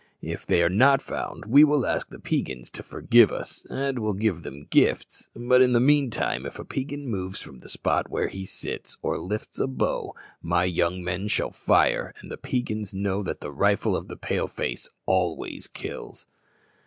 If they are not found, we will ask the Peigans to forgive us, and will give them gifts. But in the meantime, if a Peigan moves from the spot where he sits, or lifts a bow, my young men shall fire, and the Peigans know that the rifle of the Pale face always kills."